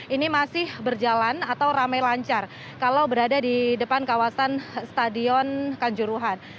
ini masih berjalan atau ramai lancar kalau berada di depan kawasan stadion kanjuruhan